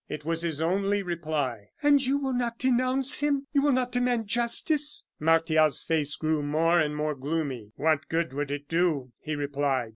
It was his only reply. "And you will not denounce him? You will not demand justice?" Martial's face grew more and more gloomy. "What good would it do?" he replied.